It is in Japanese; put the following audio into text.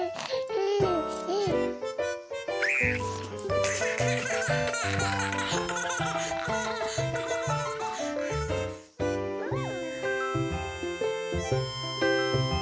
うん！